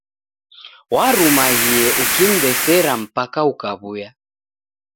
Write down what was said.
Warumaghie ukim'besera mpaka ukaw'uya.